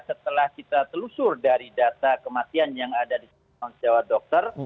setelah kita telusur dari data kematian yang ada di jawa dokter